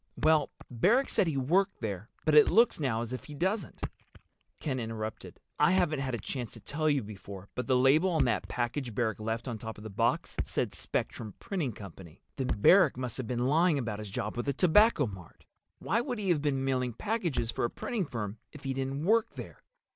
"Well, Barrack said he worked there, but it looks now as if he doesn't." Ken interrupted. "I haven't had a chance to tell you before, but the label on that package Barrack left on top of the box said Spectrum Printing Company." "Then Barrack must have been lying about his job with the Tobacco Mart. Why would he have been mailing packages for a printing firm if he didn't work there?"